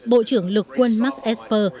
bộ trưởng lục quân mark esper